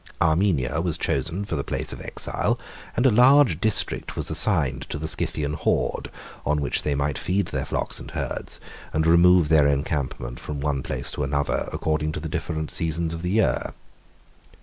Armenia was chosen for the place of exile, and a large district was assigned to the Scythian horde, on which they might feed their flocks and herds, and remove their encampment from one place to another, according to the different seasons of the year.